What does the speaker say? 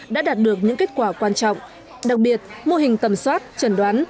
đã đạt được những kết quả quan trọng đặc biệt mô hình tầm soát chẩn đoán